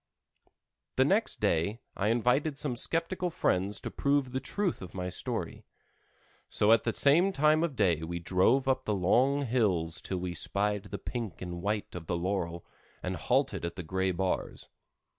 The next day I invited some skeptical friends to prove the truth of my story. So at the same time of day we drove up the long hills till we spied the pink and white of the laurel, and halted at the gray bars.